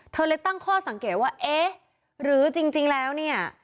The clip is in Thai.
เธอเลยตั้งข้อสังเกตว่าเอ๊ะหรือจริงแล้วเนี่ย